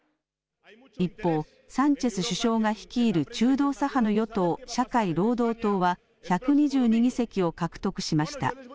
一方、サンチェス首相が率いる中道左派の与党・社会労働党は１２２議席を獲得しました。